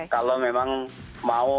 kalau memang mau